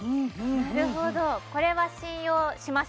なるほどこれは信用しました